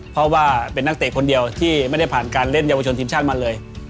เพราะว่าเป็นนักเตะคนเดียวที่ไม่ได้ผ่านการเล่นเยาวชนทีมชาติมาเลย